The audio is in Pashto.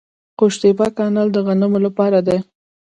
قوش تیپه کانال د غنمو لپاره دی.